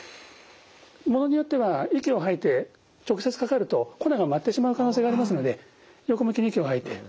ものによっては息を吐いて直接かかると粉が舞ってしまう可能性がありますので横向きに息を吐いて。